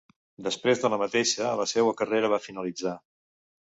Després de la mateixa la seua carrera va finalitzar.